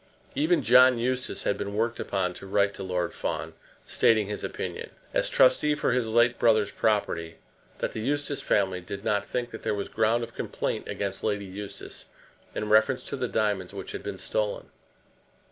Even John Eustace had been worked upon to write to Lord Fawn, stating his opinion, as trustee for his late brother's property, that the Eustace family did not think that there was ground of complaint against Lady Eustace in reference to the diamonds which had been stolen.